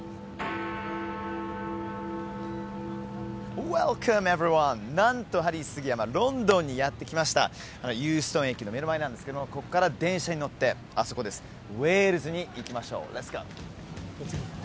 ウェルカムエブリワンなんとハリー杉山ロンドンにやって来ましたユーストン駅の目の前なんですけどもこっから電車に乗ってあそこですウェールズに行きましょうレッツゴー！